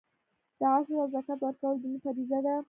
عشر او زکات ورکول دیني فریضه ده.